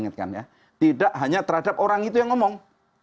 tidak hanya terhadap orang itu yang ngomong